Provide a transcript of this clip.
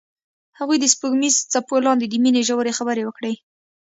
هغوی د سپوږمیز څپو لاندې د مینې ژورې خبرې وکړې.